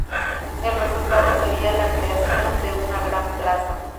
El resultado sería la creación de una gran plaza.